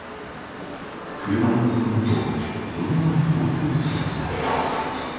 車に乗り込むとそのまま逃走しました。